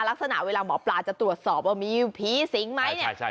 ลักษณะเวลาหมอปลาจะตรวจสอบว่ามีผีสิงไหมเนี่ย